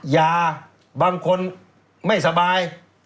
ยาบางคนไม่สบาย